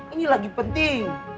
ini lagi penting